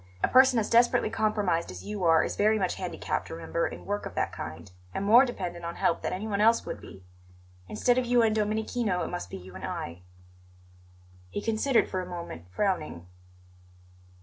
A person as desperately compromised as you are is very much handicapped, remember, in work of that kind, and more dependent on help than anyone else would be. Instead of you and Domenichino, it must be you and I." He considered for a moment, frowning.